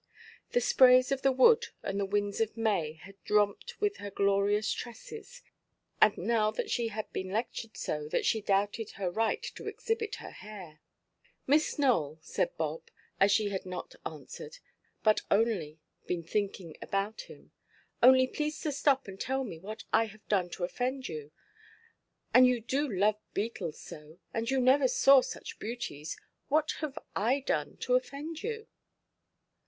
The sprays of the wood and the winds of May had romped with her glorious tresses; and now she had been lectured so, that she doubted her right to exhibit her hair. "Miss Nowell," said Bob, as she had not answered, but only been thinking about him, "only please to stop and tell me what I have done to offend you; and you do love beetles so—and you never saw such beauties—what have I done to offend you?"